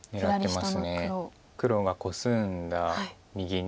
黒がコスんだ右にアテて。